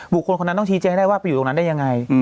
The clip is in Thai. คนคนนั้นต้องชี้แจ้งให้ได้ว่าไปอยู่ตรงนั้นได้ยังไง